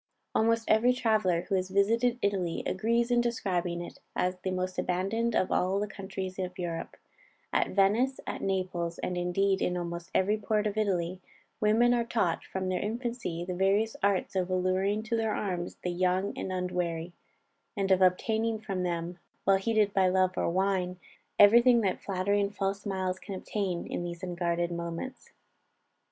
Almost every traveller who has visited Italy, agrees in describing it as the most abandoned of all the countries of Europe. At Venice, at Naples, and indeed in almost every port of Italy, women are taught from their infancy the various arts of alluring to their arms the young and unwary, and of obtaining from them, while heated by love or wine, every thing that flattery and false smiles can obtain, in these unguarded moments.